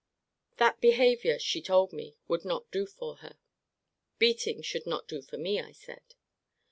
That behaviour, she told me, should not do for her. Beating should not do for me, I said.